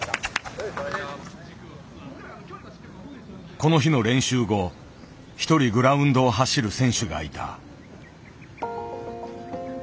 この日の練習後一人グラウンドを走る選手がいた。